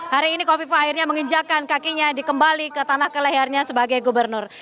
hari ini kofifah akhirnya menginjakkan kakinya dikembali ke tanah keleharnya sebagai gubernur